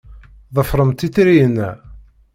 Ḍefremt itri-inna.